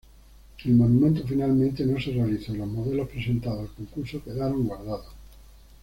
El monumento finalmente no se realizó y los modelos presentados al concurso quedaron guardados.